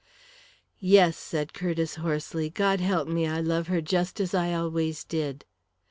"Yes," said Curtiss hoarsely. "God help me, I love her just as I always did!"